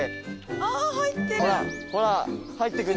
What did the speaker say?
あぁ入ってる。